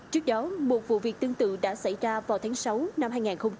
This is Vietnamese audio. trước đó một vụ việc tương tự đã xảy ra vào tháng sáu năm hai nghìn hai mươi ba